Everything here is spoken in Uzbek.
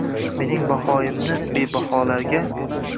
Mening bahoyimni “bebaholar” ga